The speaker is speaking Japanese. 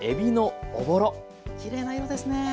きれいな色ですね。